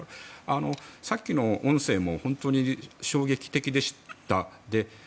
さっきの音声も本当に衝撃的でした。